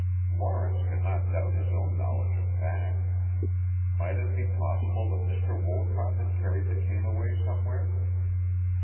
Lawrence could not doubt his own knowledge of facts. Might it be possible that Mr. Wolcott had carried the cane away somewhere?